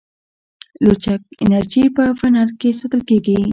لچک انرژي په فنر کې ساتل کېږي.